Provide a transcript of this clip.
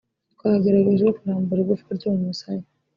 twagerageje kurambura igufwa ryo mu musaya